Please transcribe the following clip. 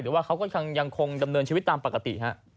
ว่าเขาก็ยังคงดำเนินชีวิตตามปกติฮะ